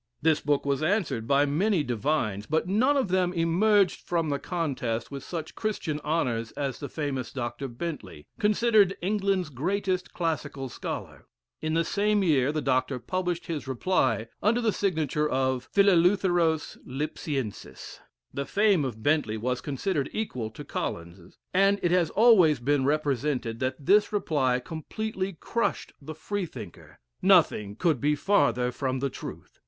This book was answered by many divines, but none of them emerged from the contest with such Christian honors as the famous Dr. Bentley considered England's greatest classical scholar. In the same year, the Dr. published his reply under the signature of "Phileleutheros Lipsiensis." The fame of Bentley was considered equal to Collins's; and it has always been represented that this reply completely crushed the Freethinker nothing could be farther from the truth.